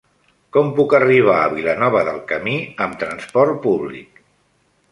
Com puc arribar a Vilanova del Camí amb trasport públic?